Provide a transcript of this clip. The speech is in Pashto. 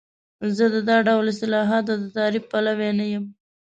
زه د دا ډول اصطلاحاتو د تعریف پلوی نه یم.